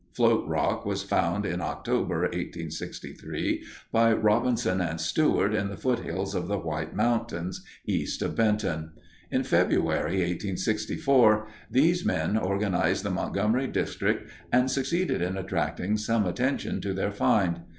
Float rock was found in October, 1863, by Robinson and Stuart in the foothills of the White Mountains, east of Benton. In February, 1864, these men organized the Montgomery District and succeeded in attracting some attention to their find.